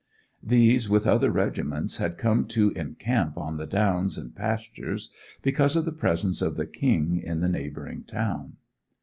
These with other regiments had come to encamp on the downs and pastures, because of the presence of the King in the neighbouring town.